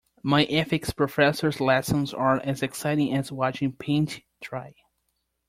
My ethics professor's lessons are as exciting as watching paint dry.